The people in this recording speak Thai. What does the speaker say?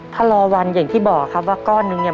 ถ้ารอวันอย่างที่บอกครับว่าก้อนนึงเนี่ย